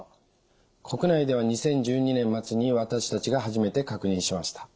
国内では２０１２年末に私たちが初めて確認しました。